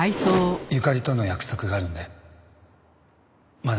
ゆかりとの約束があるのでまだ死ねません。